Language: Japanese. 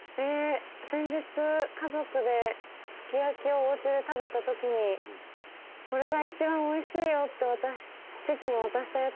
先日家族ですき焼きをおうちで食べた時に「これが一番おいしいよ」って父に渡したやつ